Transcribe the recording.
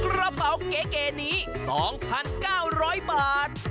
กระเป๋าเก๋นี้๒๙๐๐บาท